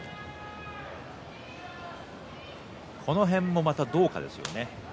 この辺もまたどうかですよね。